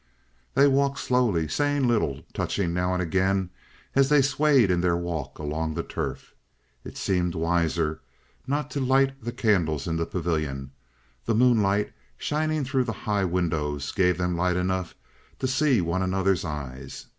They walked slowly, saying little, touching now and again as they swayed in their walk along the turf. It seemed wiser not to light the candles in the pavilion. The moonlight, shining through the high windows, gave them light enough to see one another's eyes.